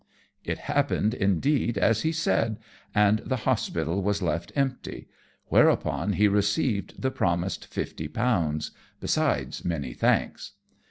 It happened, indeed, as he said, and the hospital was left empty, whereupon he received the promised fifty pounds, besides many thanks.